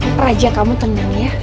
mas rajil kamu tenang ya